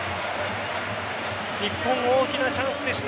日本、大きなチャンスでした